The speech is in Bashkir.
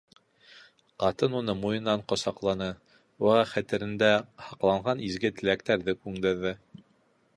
Ҡатын уны муйынынан ҡосаҡланы, уға хәтерендә һаҡланған изге теләктәрҙе күндерҙе.